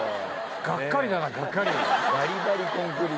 がっかりだながっかり！